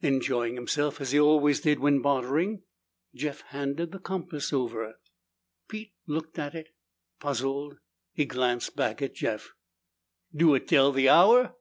Enjoying himself, as he always did when bartering, Jeff handed the compass over. Pete looked at it. Puzzled, he glanced back at Jeff. "Do it tell the hour?"